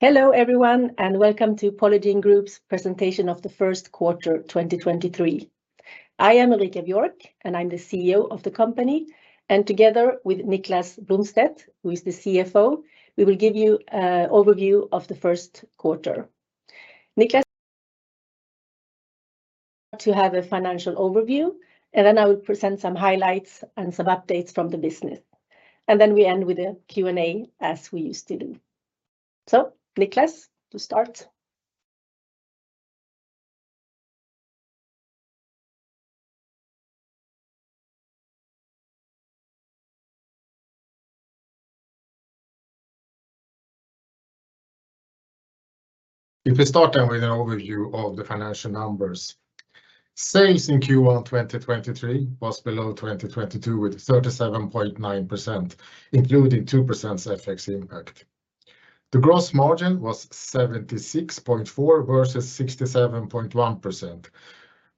Hello everyone, welcome to Polygiene Group's presentation of the first quarter 2023. I am Ulrika Björk and I'm the CEO of the company. Together with Niklas Blomstedt, who is the CFO, we will give you a overview of the first quarter. Niklas to have a financial overview, then I will present some highlights and some updates from the business, then we end with a Q&A as we used to do. Niklas to start. An overview of the financial numbers, sales in Q1 2023 was below 2022 with 37.9%, including 2% FX impact. The gross margin was 76.4% versus 67.1%,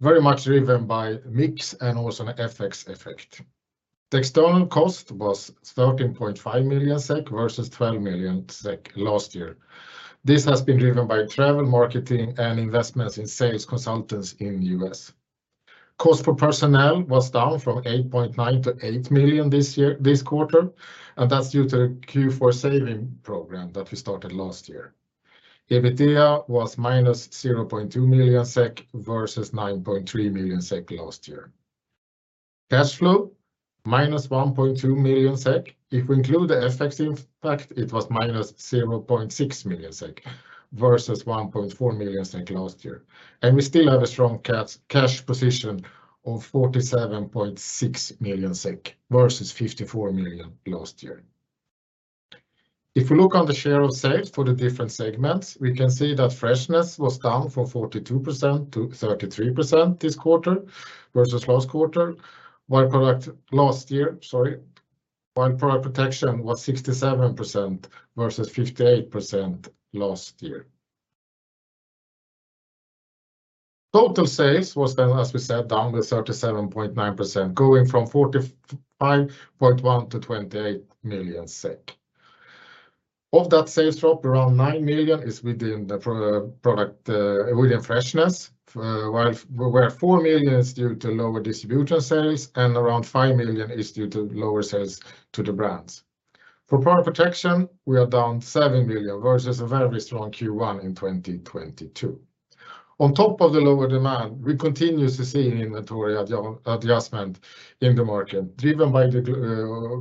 very much driven by mix and also an FX effect. The external cost was 13.5 million SEK versus 12 million SEK last year. This has been driven by travel marketing and investments in sales consultants in U.S. Cost for personnel was down from 8.9 million to 8 million this year, this quarter. That's due to Q4 saving program that we started last year. EBITDA was -0.2 million SEK versus 9.3 million SEK last year. Cash flow -1.2 million SEK. Including the FX impact, it was -0.6 million SEK versus 1.4 million SEK last year. We still have a strong cash position of 47.6 million SEK versus 54 million last year. If we look on the share of sales for the different segments, we can see that freshness was down from 42%-33% this quarter versus last quarter, while product protection was 67% versus 58% last year. Total sales was then, as we said, down with 37.9%, going from 45.1 million to 28 million SEK. Of that sales drop around 9 million is within freshness, while 4 million is due to lower distributor sales and around 5 million is due to lower sales to the brands. For product protection, we are down 7 million versus a very strong Q1 in 2022. On top of the lower demand, we continue to see an inventory adjustment in the market driven by the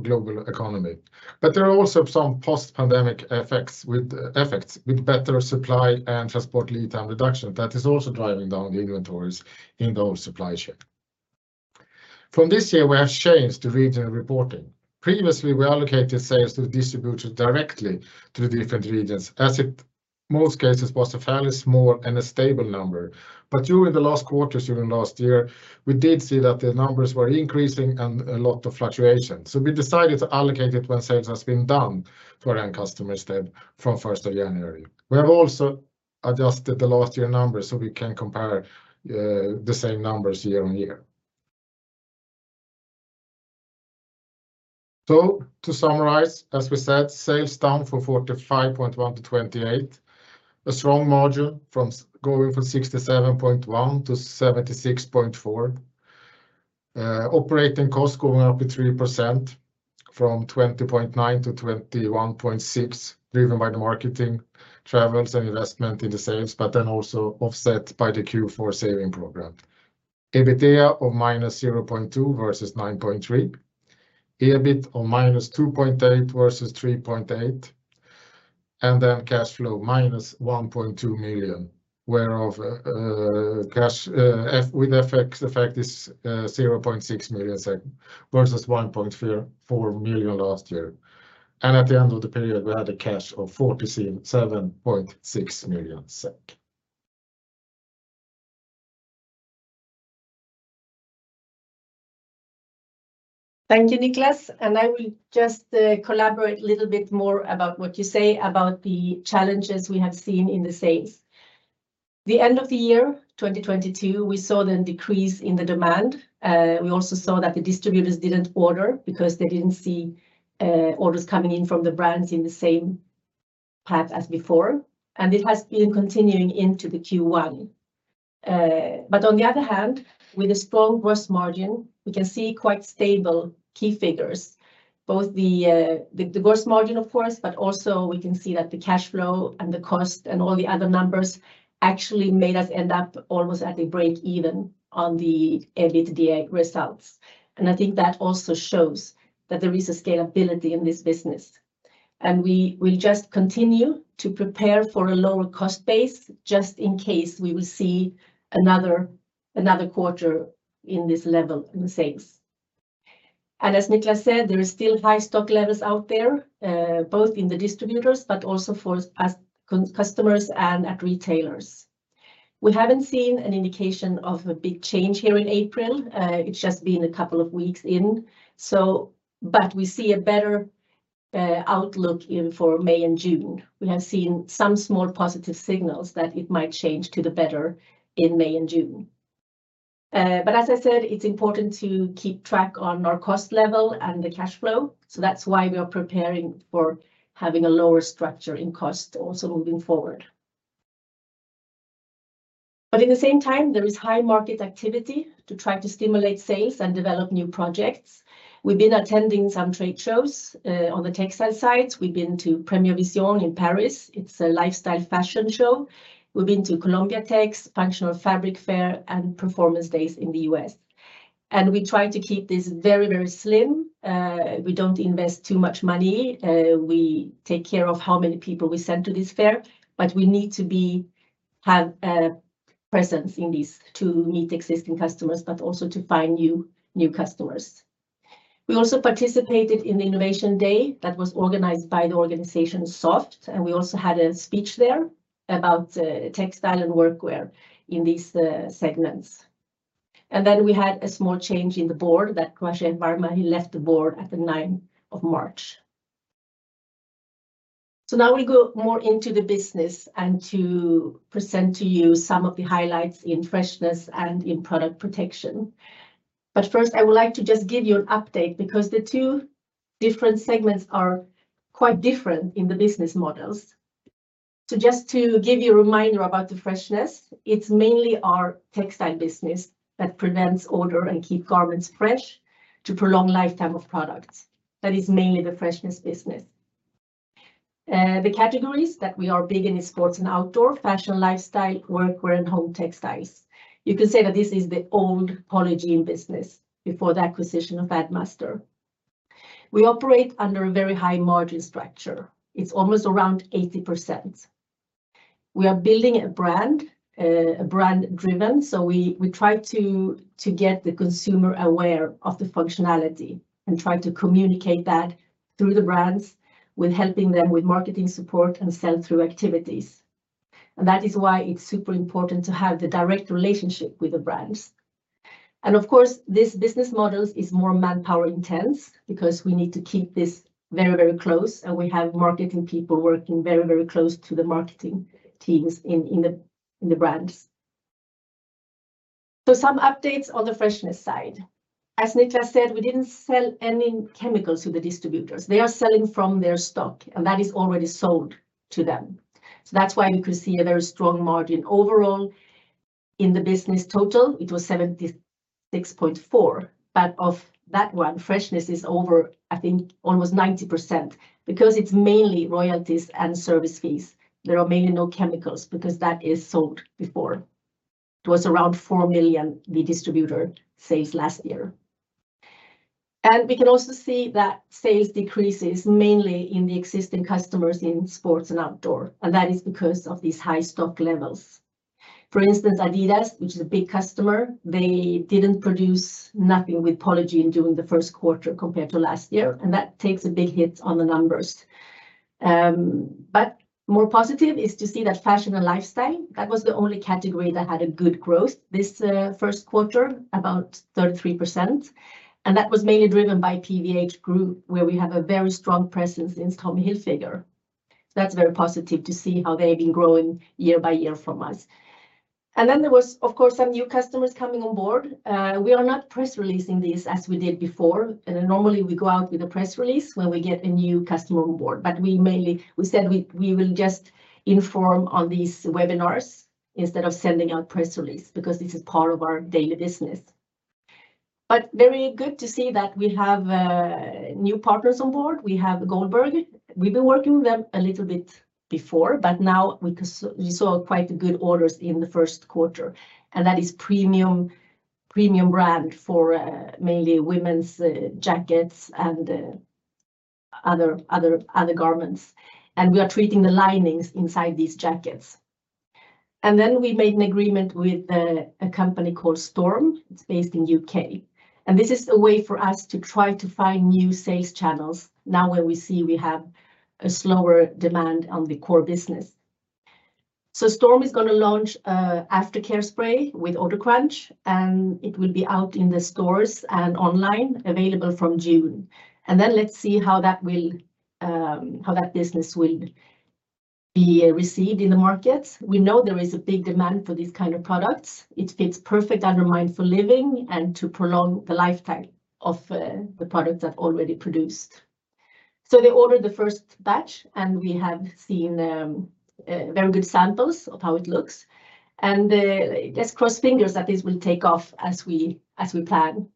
global economy. There are also some post-pandemic effects with better supply and transport lead time reduction that is also driving down the inventories in those supply chain. From this year, we have changed the regional reporting. Previously we allocated sales to distributors directly to the different regions as it, most cases was a fairly small and a stable number. During the last quarters, during last year, we did see that the numbers were increasing and a lot of fluctuation, so we decided to allocate it when sales has been done to our end customers then from 1st of January. We have also adjusted the last year numbers so we can compare the same numbers year-over-year. To summarize, as we said, sales down from 45.1-28, a strong margin from, going from 67.1% to 76.4%, operating costs going up with 3% from 20.9-21.6, driven by the marketing travels and investment in the sales, also offset by the Q4 saving program. EBITDA of minus 0.2 versus 9.3, EBIT of minus 2.8 versus 3.8, cash flow minus 1.2 million, whereof, cash with FX effect is 0.6 million SEK versus 1.4 million last year. At the end of the period we had a cash of 47.6 million SEK. Thank you Niklas. I will just collaborate little bit more about what you say about the challenges we have seen in the sales. The end of the year 2022, we saw the decrease in the demand. We also saw that the distributors didn't order because they didn't see orders coming in from the brands in the same path as before, and it has been continuing into the Q1. On the other hand, with a strong gross margin, we can see quite stable key figures, both the gross margin of course, but also we can see that the cash flow and the cost and all the other numbers actually made us end up almost at a break even on the EBITDA results. I think that also shows that there is a scalability in this business and we will just continue to prepare for a lower cost base just in case we will see another quarter in this level in the sales. As Niklas said, there is still high stock levels out there, both in the distributors but also for us, customers and at retailers. We haven't seen an indication of a big change here in April. It's just been a couple of weeks in. But we see a better outlook for May and June. We have seen some small positive signals that it might change to the better in May and June, but as I said, it's important to keep track on our cost level and the cash flow, so that's why we are preparing for having a lower structure in cost also moving forward. In the same time, there is high market activity to try to stimulate sales and develop new projects. We've been attending some trade shows on the textile side. We've been to Première Vision in Paris. It's a lifestyle fashion show. We've been to Colombiatex, Functional Fabric Fair, and Performance Days in the U.S. We try to keep this very, very slim. We don't invest too much money. We take care of how many people we send to this fair, but we need to have a presence in this to meet existing customers, but also to find new customers. We also participated in the Innovation Day that was organized by the organization SOFHT, and we also had a speech there about textile and workwear in these segments. Then we had a small change in the Board that Rajesh Varma left the Board at the 9th of March. Now we go more into the business and to present to you some of the highlights in freshness and in product protection. First, I would like to just give you an update because the two different segments are quite different in the business models. Just to give you a reminder about the freshness, it's mainly our textile business that prevents odor and keep garments fresh to prolong lifetime of products. That is mainly the freshness business. The categories that we are big in is sports and outdoor, fashion, lifestyle, workwear, and home textiles. You can say that this is the old Polygiene business before the acquisition of Addmaster. We operate under a very high margin structure. It's almost around 80%. We are building a brand, a brand driven, we try to get the consumer aware of the functionality and try to communicate that through the brands with helping them with marketing support and sell-through activities. That is why it's super important to have the direct relationship with the brands. Of course, this business model is more manpower intense because we need to keep this very, very close, and we have marketing people working very, very close to the marketing teams in the brands. Some updates on the freshness side. As Nitza said, we didn't sell any chemicals to the distributors. They are selling from their stock, and that is already sold to them. That's why you can see a very strong margin overall in the business total, it was 76.4%. Of that one, freshness is over, I think, almost 90% because it's mainly royalties and service fees. There are mainly no chemicals because that is sold before. It was around 4 million, the distributor sales last year. We can also see that sales decreases mainly in the existing customers in sports and outdoor, and that is because of these high stock levels. For instance, Adidas, which is a big customer, they didn't produce nothing with Polygiene during the first quarter compared to last year, and that takes a big hit on the numbers. More positive is to see that fashion and lifestyle, that was the only category that had a good growth this first quarter, about 33%, and that was mainly driven by PVH group, where we have a very strong presence in Tommy Hilfiger. That's very positive to see how they've been growing year by year from us. There was, of course, some new customers coming on board. We are not press releasing this as we did before. Normally, we go out with a press release when we get a new customer on board. We mainly, we said we will just inform on these webinars instead of sending out press release because this is part of our daily business. Very good to see that we have new partners on board. We have Goldbergh. We've been working with them a little bit before, but now we saw quite good orders in the first quarter, and that is premium brand for mainly women's jackets and other garments. We are treating the linings inside these jackets. Then we made an agreement with a company called Storm Care. It's based in U.K. This is a way for us to try to find new sales channels now when we see we have a slower demand on the core business. Storm is gonna launch a aftercare spray with OdorCrunch, and it will be out in the stores and online available from June. Let's see how that will how that business will be received in the market. We know there is a big demand for these kind of products. It fits perfect under Mindful Living and to prolong the lifetime of the products that already produced. They ordered the first batch, and we have seen very good samples of how it looks. Let's cross fingers that this will take off as we plan.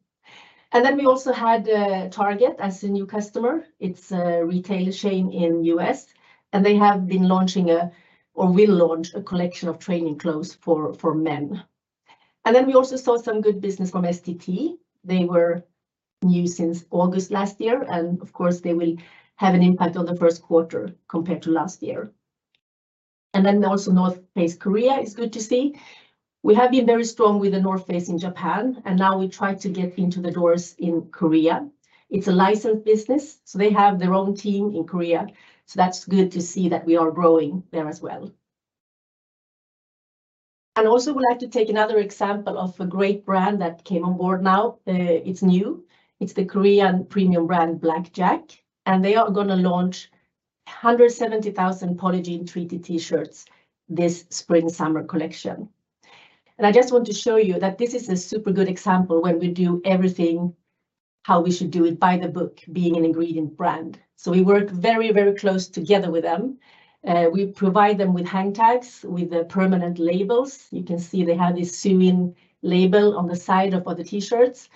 We also had Target as a new customer. It's a retail chain in U.S. They have been launching or will launch a collection of training clothes for men. We also saw some good business from STT. They were new since August last year, and of course, they will have an impact on the first quarter compared to last year. The North Face Korea is good to see. We have been very strong with The North Face in Japan. Now we try to get into the doors in Korea. It's a licensed business. They have their own team in Korea. That's good to see that we are growing there as well. Would like to take another example of a great brand that came on board now. It's new. It's the Korean premium brand Blackjack. They are gonna launch 170,000 Polygiene treated T-shirts this spring summer collection. I just want to show you that this is a super good example when we do everything how we should do it by the book being an ingredient brand. We work very, very close together with them. We provide them with hang tags, with the permanent labels. You can see they have this sew-in label on the side of all the T-shirts.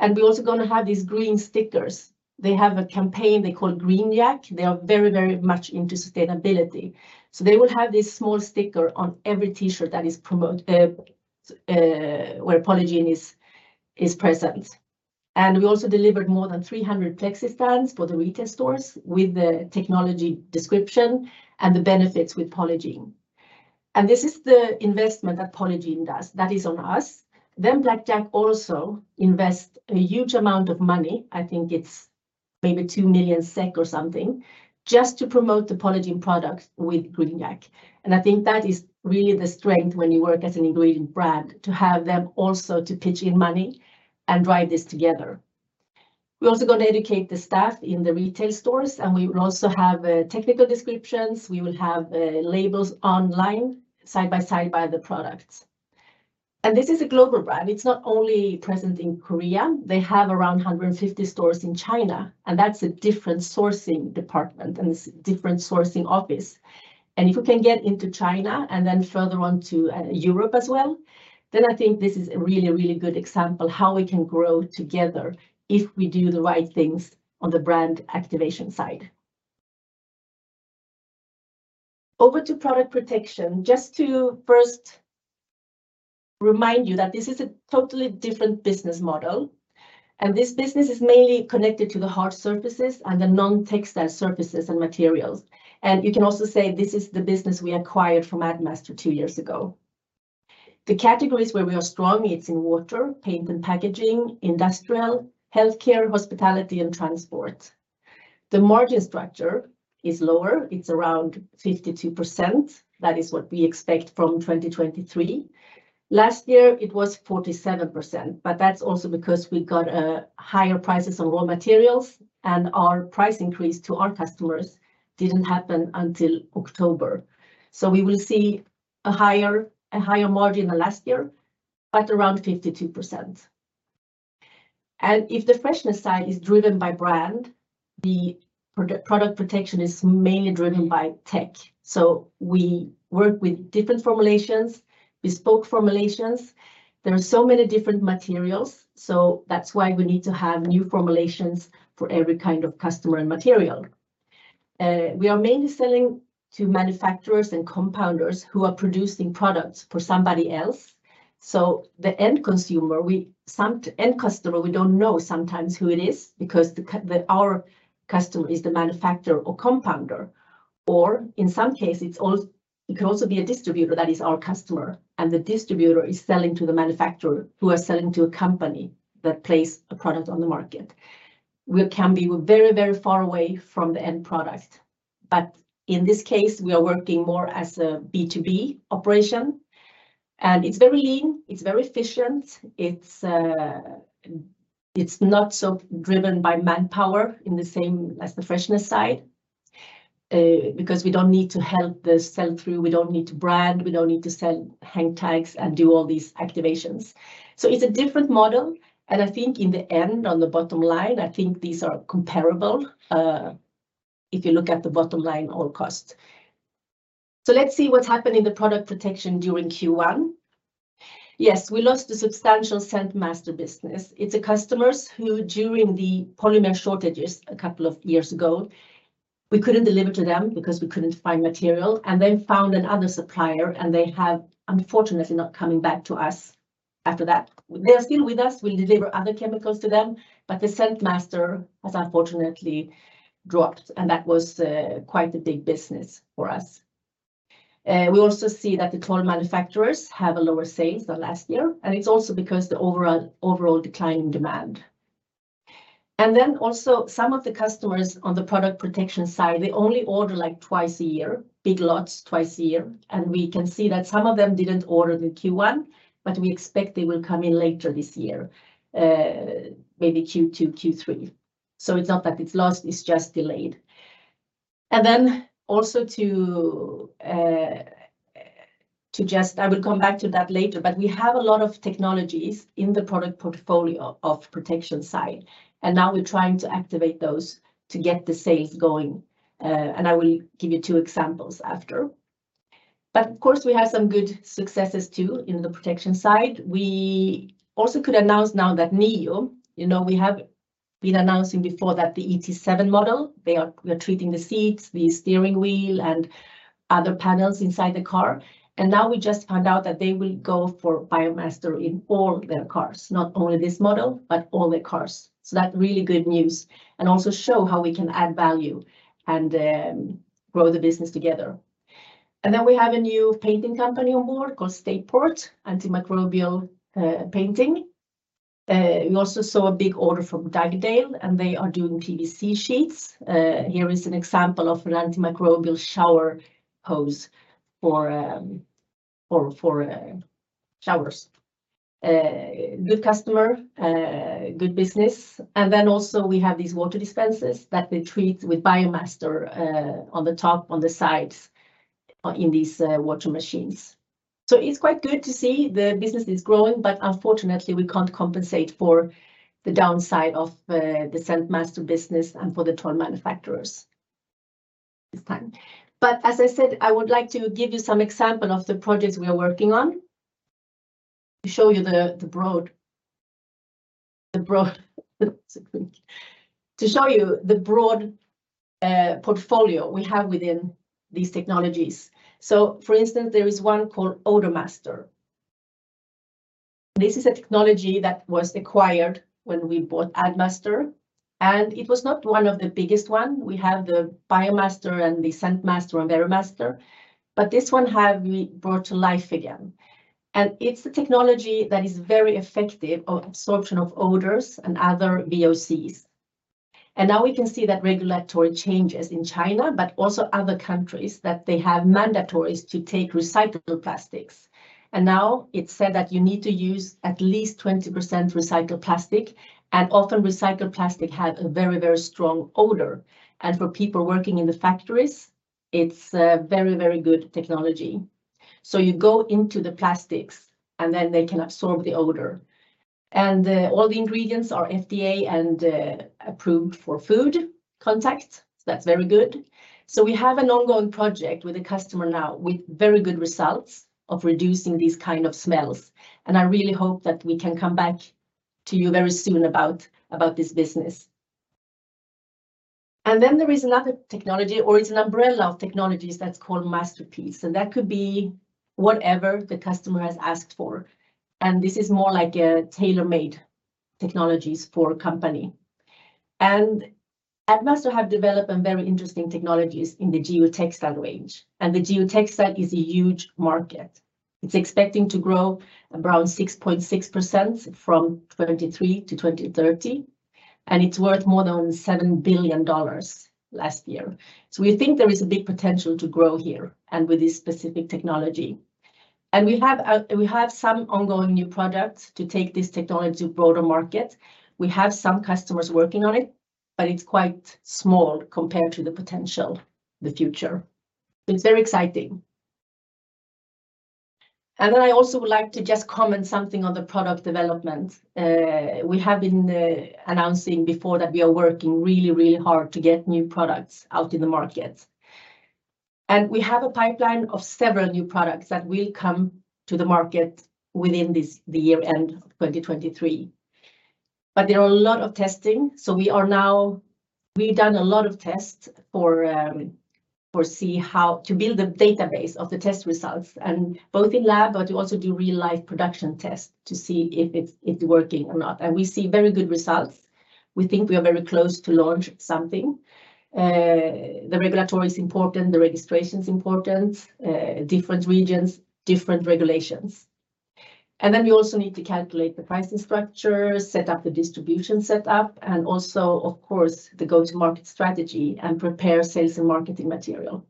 We're also gonna have these green stickers. They have a campaign they call Green Yak. They are very, very much into sustainability. They will have this small sticker on every T-shirt that is where Polygiene is present. We also delivered more than 300 flexi stands for the retail stores with the technology description and the benefits with Polygiene. This is the investment that Polygiene does, that is on us. Blackjack also invest a huge amount of money, I think it's maybe 2 million SEK or something, just to promote the Polygiene product with Green Yak. I think that is really the strength when you work as an ingredient brand to have them also to pitch in money and drive this together. We're also gonna educate the staff in the retail stores, and we will also have technical descriptions. We will have labels online side by side by the products. This is a global brand. It's not only present in Korea. They have around 150 stores in China, that's a different sourcing department and different sourcing office. If we can get into China and further on to Europe as well, I think this is a really, really good example how we can grow together if we do the right things on the brand activation side. Over to Product Protection, just to first remind you that this is a totally different business model, this business is mainly connected to the hard surfaces and the non-textile surfaces and materials. You can also say this is the business we acquired from Addmaster two years ago. The categories where we are strong, it's in water, paint and packaging, industrial, healthcare, hospitality, and transport. The margin structure is lower. It's around 52%. That is what we expect from 2023. Last year it was 47%, but that's also because we got higher prices on raw materials and our price increase to our customers didn't happen until October. We will see a higher margin than last year, but around 52%. If the Freshness side is driven by brand, the product protection is mainly driven by tech. We work with different formulations, bespoke formulations. There are so many different materials, so that's why we need to have new formulations for every kind of customer and material. We are mainly selling to manufacturers and compounders who are producing products for somebody else. The end consumer, some end customer we don't know sometimes who it is because the, our customer is the manufacturer or compounder. In some case it could also be a distributor that is our customer, and the distributor is selling to the manufacturer who are selling to a company that place a product on the market. We can be very, very far away from the end product. In this case, we are working more as a B2B operation and it's very lean, it's very efficient. It's, it's not so driven by manpower in the same as the Freshness side, because we don't need to help the sell through. We don't need to brand, we don't need to sell hang tags and do all these activations. It's a different model and I think in the end, on the bottom line, I think these are comparable, if you look at the bottom line all costs. Let's see what's happened in the Product Protection during Q1. Yes, we lost a substantial Scentmaster business. It's a customers who, during the polymer shortages a couple of years ago, we couldn't deliver to them because we couldn't find material. They found another supplier and they have unfortunately not coming back to us after that. They're still with us. We deliver other chemicals to them, but the Scentmaster has unfortunately dropped and that was quite a big business for us. We also see that the toilet manufacturers have a lower sales than last year, and it's also because the overall decline in demand. Also some of the customers on the Product Protection side, they only order like twice a year, big lots twice a year. We can see that some of them didn't order the Q1, but we expect they will come in later this year. Maybe Q2, Q3. It's not that it's lost, it's just delayed. I will come back to that later. We have a lot of technologies in the product portfolio of protection side, and now we're trying to activate those to get the sales going. I will give you two examples after. Of course we have some good successes too in the protection side. We also could announce now that NIO, you know, we have been announcing before that the ET7 model, we are treating the seats, the steering wheel, and other panels inside the car. Now we just found out that they will go for BioMaster in all their cars. Not only this model, but all their cars. That really good news and also show how we can add value and grow the business together. We have a new painting company on board called Stateport, antimicrobial painting. We also saw a big order from Dugdale, and they are doing PVC sheets. Here is an example of an antimicrobial shower hose for showers. Good customer, good business. Also we have these water dispensers that they treat with BioMaster on the top, on the sides, in these water machines. It's quite good to see the business is growing, but unfortunately we can't compensate for the downside of the Scentmaster business and for the toy manufacturers this time. As I said, I would like to give you some example of the projects we are working on to show you the broad portfolio we have within these technologies. For instance, there is one called OdorMaster. This is a technology that was acquired when we bought Addmaster, and it was not one of the biggest one. We have the BioMaster and the Scentmaster and Verimaster, but this one have we brought to life again. It's a technology that is very effective of absorption of odors and other VOCs. Now we can see that regulatory changes in China, but also other countries, that they have mandatories to take recyclable plastics. Now it's said that you need to use at least 20% recycled plastic, and often recycled plastic have a very, very strong odor. For people working in the factories, it's a very, very good technology. You go into the plastics, and then they can absorb the odor. All the ingredients are FDA and approved for food contact, that's very good. We have an ongoing project with a customer now with very good results of reducing these kind of smells, and I really hope that we can come back to you very soon about this business. There is another technology, or it's an umbrella of technologies that's called Masterpiece, and that could be whatever the customer has asked for. This is more like a tailor-made technologies for a company. Addmaster have developed a very interesting technologies in the geotextile range, and the geotextile is a huge market. It's expecting to grow around 6.6% from 2023 to 2030, and it's worth more than $7 billion last year. We think there is a big potential to grow here and with this specific technology. We have some ongoing new products to take this technology to broader market. We have some customers working on it, but it's quite small compared to the potential, the future. It's very exciting. I also would like to just comment something on the product development. We have been announcing before that we are working really, really hard to get new products out in the market. We have a pipeline of several new products that will come to the market within this, the year-end of 2023. There are a lot of testing. We've done a lot of tests for see how, to build a database of the test results and both in lab, but you also do real-life production test to see if it's working or not. We see very good results. We think we are very close to launch something. The regulatory is important. The registration's important. Different regions, different regulations. You also need to calculate the pricing structure, set up the distribution set up, and also, of course, the go-to-market strategy and prepare sales and marketing material.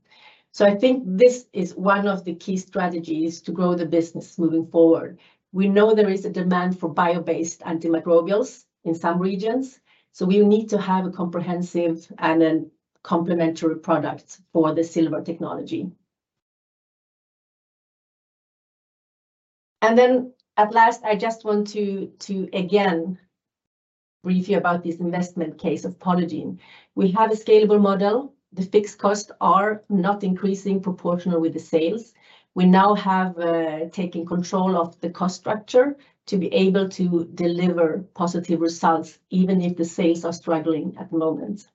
I think this is one of the key strategies to grow the business moving forward. We know there is a demand for bio-based antimicrobials in some regions, so we need to have a comprehensive and then complementary product for the silver technology. At last, I just want to again brief you about this investment case of Polygiene. We have a scalable model. The fixed costs are not increasing proportional with the sales. We now have taken control of the cost structure to be able to deliver positive results, even if the sales are struggling at the moment.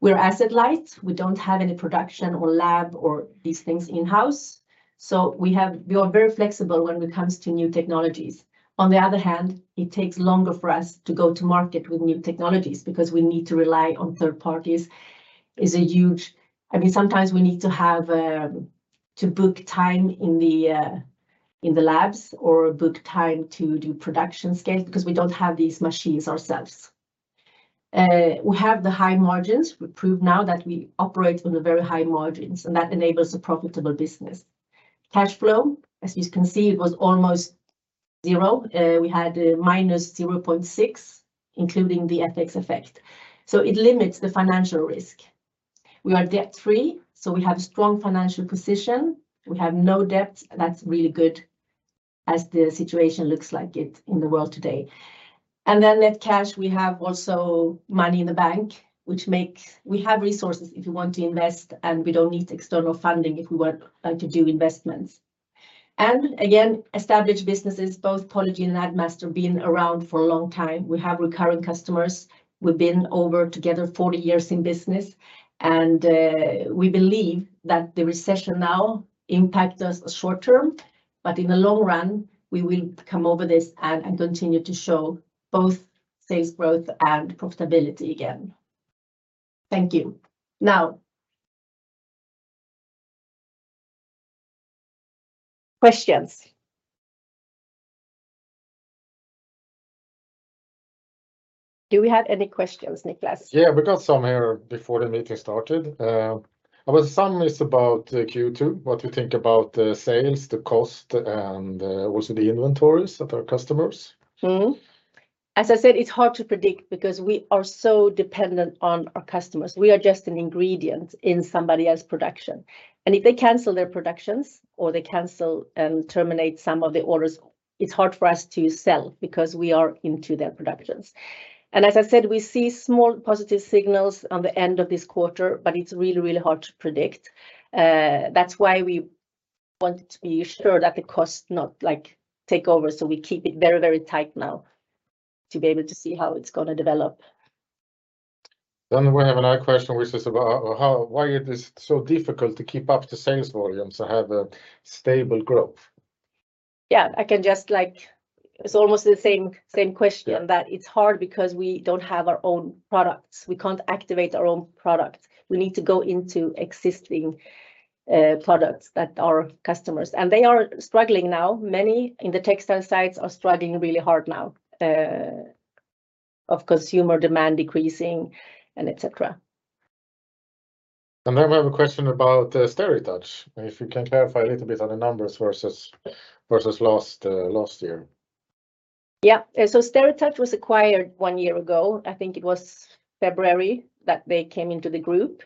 We're asset light. We don't have any production or lab or these things in-house, so we are very flexible when it comes to new technologies. On the other hand, it takes longer for us to go to market with new technologies because we need to rely on third parties. I mean, sometimes we need to have to book time in the labs or book time to do production scale because we don't have these machines ourselves. We have the high margins. We prove now that we operate on a very high margins, and that enables a profitable business. Cash flow, as you can see, it was almost zero. We had a -0.6, including the FX effect. It limits the financial risk. We are debt-free, so we have strong financial position. We have no debt. That's really good as the situation looks like it in the world today. Net cash, we have also money in the bank, which makes, we have resources if you want to invest, and we don't need external funding if we want to do investments. Established businesses, both Polygiene and Addmaster, been around for a long time. We have recurring customers. We've been over, together, 40 years in business. We believe that the recession now impact us short term, but in the long run, we will come over this and continue to show both sales growth and profitability again. Thank you. Now. Questions? Do we have any questions, Niklas? Yeah, we got some here before the meeting started. Some is about Q2, what you think about the sales, the cost, and, also the inventories of our customers. As I said, it's hard to predict because we are so dependent on our customers. We are just an ingredient in somebody else's production. If they cancel their productions or they cancel and terminate some of the orders, it's hard for us to sell because we are into their productions. As I said, we see small positive signals on the end of this quarter. It's really, really hard to predict. That's why we want to be sure that the cost not, like, take over. We keep it very, very tight now to be able to see how it's gonna develop. We have another question which is about why it is so difficult to keep up the sales volumes to have a stable growth. Yeah. It's almost the same question. Yeah. That it's hard because we don't have our own products. We can't activate our own products. We need to go into existing products that our customers. They are struggling now. Many in the textile sites are struggling really hard now of consumer demand decreasing and et cetera. Now I have a question about SteriTouch, if you can clarify a little bit on the numbers versus last year? SteriTouch was acquired one year ago. I think it was February that they came into the group.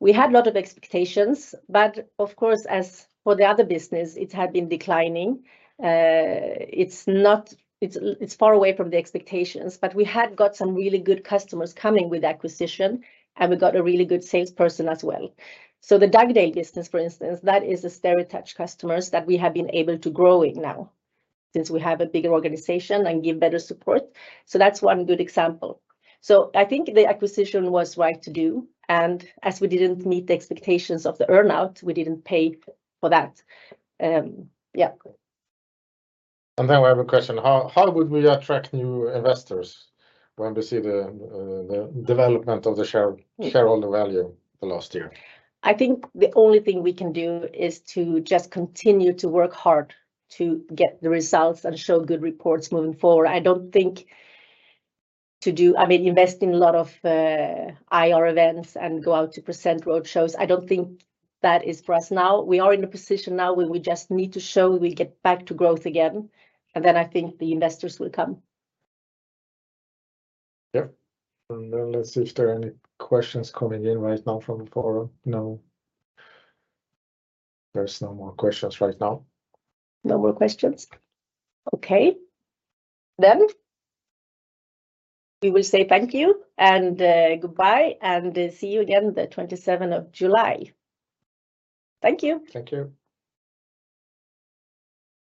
We had lot of expectations, but of course, as for the other business, it had been declining. It's far away from the expectations, but we had got some really good customers coming with acquisition, and we got a really good salesperson as well. The Dugdale business, for instance, that is a SteriTouch customers that we have been able to grow in now since we have a bigger organization and give better support. That's one good example. I think the acquisition was right to do, and as we didn't meet the expectations of the earn-out, we didn't pay for that. Now I have a question. How would we attract new investors when we see the development of the shareholder value the last year? I think the only thing we can do is to just continue to work hard to get the results and show good reports moving forward. I mean, invest in a lot of IR events and go out to present roadshows, I don't think that is for us now. We are in a position now where we just need to show we get back to growth again, and then I think the investors will come. Yep. Then let's see if there are any questions coming in right now from the forum. No. There's no more questions right now. No more questions? Okay. We will say thank you and goodbye and see you again the 27th of July. Thank you. Thank you.